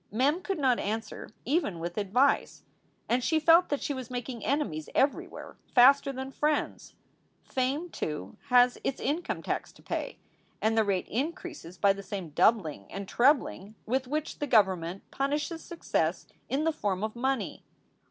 Mem could not answer even with advice. And she felt that she was making enemies everywhere faster than friends. Fame, too, has its income tax to pay, and the rate increases by the same doubling and trebling with which the govern ment punishes success in the form of money.